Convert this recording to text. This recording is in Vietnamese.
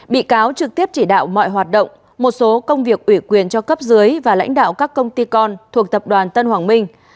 bị cáo trực tiếp chỉ đạo mọi hoạt động một số công việc ủy quyền cho cấp dưới và lãnh đạo các công ty con thuộc tập đoàn tân hoàng minh